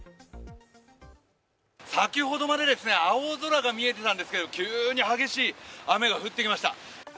先ほどまで青空が見えていたんですけど急に激しい雨が降ってきました。